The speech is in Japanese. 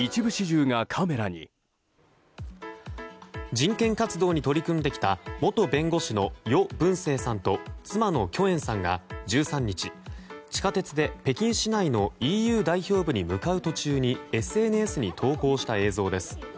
人権活動に取り組んできた元弁護士のヨ・ブンセイさんと妻のキョエンさんが１３日、地下鉄で北京市内のＥＵ代表部に向かう途中にＳＮＳに投稿した映像です。